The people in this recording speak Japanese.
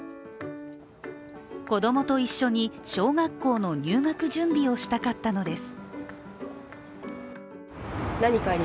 子供と一緒に小学校の入学準備をしたかったのです。